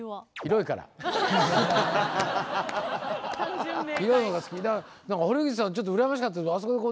だから堀口さんちょっと羨ましかったの。